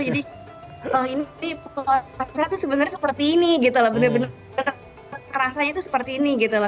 jadi ini puasa tuh sebenarnya seperti ini gitu loh benar benar rasanya tuh seperti ini gitu loh